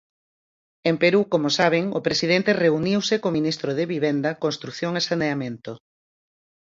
En Perú, como saben, o presidente reuniuse co ministro de Vivenda, Construción e Saneamento.